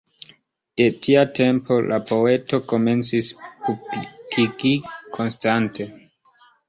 De tia tempo la poeto komencis publikigi konstante.